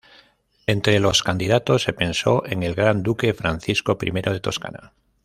Entre los candidatos se pensó en el gran duque Francisco I de Toscana.